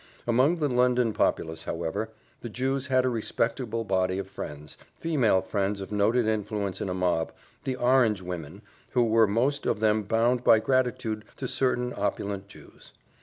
Among the London populace, however, the Jews had a respectable body of friends, female friends of noted influence in a mob the orange women who were most of them bound by gratitude to certain opulent Jews.